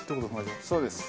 そうです。